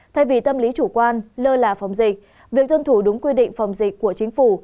thay vì tâm lý chủ quan lơ là phòng dịch việc tuân thủ đúng quy định phòng dịch của chính phủ